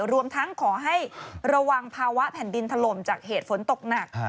รวมทั้งขอให้ระวังภาวะแผ่นดินถล่มจากเหตุฝนตกหนัก